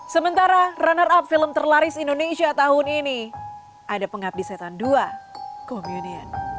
sementara runner up film terlaris indonesia tahun ini ada pengabdi setan dua com union